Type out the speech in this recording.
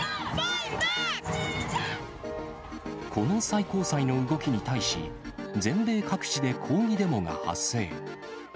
この最高裁の動きに対し、全米各地で抗議デモが発生。